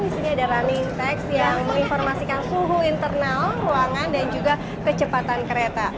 di sini ada running text yang menginformasikan suhu internal ruangan dan juga kecepatan kereta